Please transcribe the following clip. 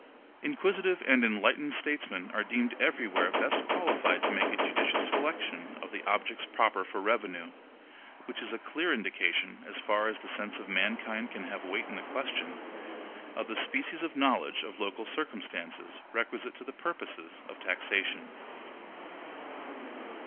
Inquisitive and enlightened statesmen are deemed everywhere best qualified to make a judicious selection of the objects proper for revenue; which is a clear indication, as far as the sense of mankind can have weight in the question, of the species of knowledge of local circumstances requisite to the purposes of taxation.